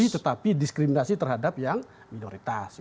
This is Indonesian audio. tetapi diskriminasi terhadap yang minoritas